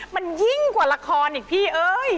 มันยิ่งกว่าละครอีกพี่เอ้ย